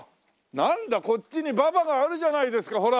なんだこっちに馬場があるじゃないですかほら！